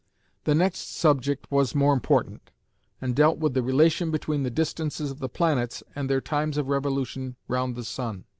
The next subject was more important, and dealt with the relation between the distances of the planets and their times of revolution round the sun.